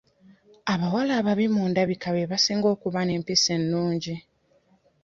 Abawala ababi mu ndabika be basinga okuba n'empisa ennungi.